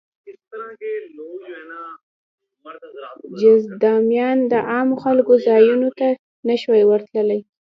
جذامیان د عامو خلکو ځایونو ته نه شوای ورتلی.